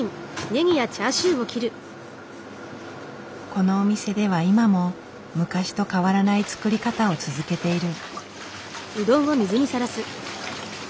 このお店では今も昔と変わらない作り方を続けている。